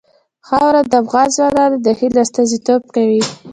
خاوره د افغان ځوانانو د هیلو استازیتوب کوي.